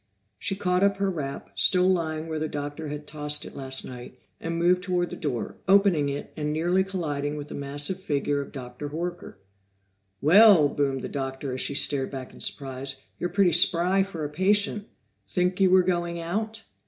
She caught up her wrap, still lying where the Doctor had tossed it last night, and moved toward the door, opening it and nearly colliding with the massive figure of Dr. Horker! "Well!" boomed the Doctor as she started back in surprise. "You're pretty spry for a patient. Think you were going out?"